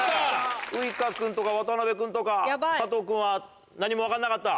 ウイカ君とか渡辺君とか佐藤君は何も分かんなかった？